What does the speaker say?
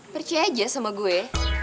percaya aja sama gue